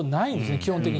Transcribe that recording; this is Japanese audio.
基本的に。